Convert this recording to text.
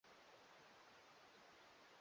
Haturudi nyuma